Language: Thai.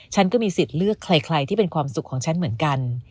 ฉันก็มีสิทธิ์เลือกใครที่เป็นความสุขของฉันเหมือนกัน